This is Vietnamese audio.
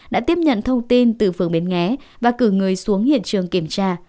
đã tiếp nhận thông tin từ phường bến nghé và cử người xuống hiện trường kiểm tra